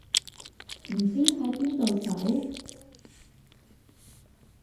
唔知喺邊度搜